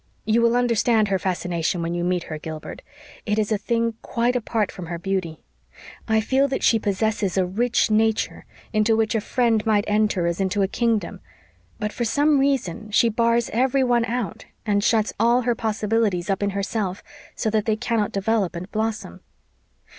You will understand her fascination when you meet her, Gilbert. It is a thing quite apart from her beauty. I feel that she possesses a rich nature, into which a friend might enter as into a kingdom; but for some reason she bars every one out and shuts all her possibilities up in herself, so that they cannot develop and blossom.